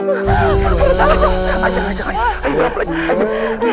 kamu usah ngurutin dia ngurutin aja dia kamu